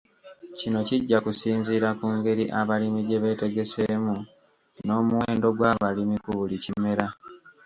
Kino kijja kusinziira ku ngeri abalimi gye beetegeseemu n’omuwendo gw’abalimi ku buli kimera.